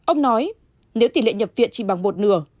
ông nói nếu tỷ lệ nhập viện chỉ bằng một nửa